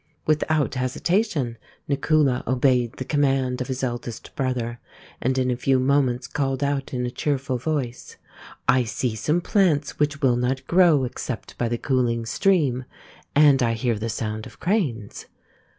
Without hesitation Nakula obeyed the command of his eldest brother, and in a few moments called out in a^ cheerful voice, " I see some plants which will not grow except by the cooling stream, and I hear the sound of cranes."